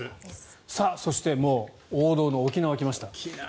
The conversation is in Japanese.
そして、王道の沖縄に来ました。